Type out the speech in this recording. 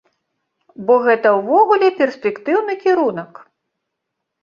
Бо гэта ўвогуле перспектыўны кірунак.